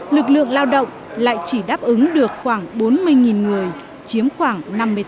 lực lượng lao động lại chỉ đáp ứng được khoảng bốn mươi người chiếm khoảng năm mươi tám